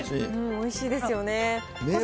おいしいですよね。